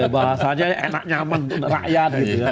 bahasanya enak nyaman untuk rakyat